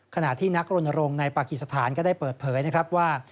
ขณะที่นักรณรงค์ในปากีสถานก็ได้เปิดเผยนะครับว่า